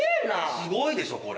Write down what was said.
すごいでしょこれ。